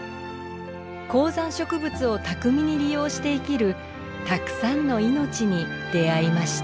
高山植物を巧みに利用して生きるたくさんの命に出会いました。